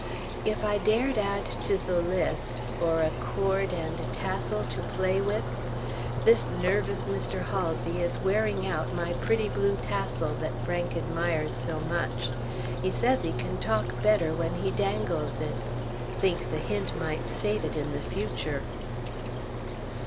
If I dared add to the list, "or a cord and tassel to play with"! This nervous Mr. Halsey is wearing out my pretty blue tassel that Frank admires so much; he says he can talk better when he dangles it. Think the hint might save it in the future!